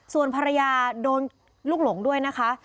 ส่วนภรรยาโดนลูกหลงด้วยนะคะ